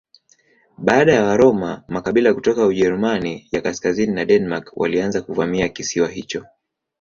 Baada ya Waroma makabila kutoka Ujerumani ya kaskazini na Denmark walianza kuvamia kisiwa hicho.